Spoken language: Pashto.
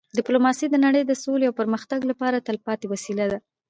ډيپلوماسي د نړی د سولې او پرمختګ لپاره تلپاتې وسیله ده.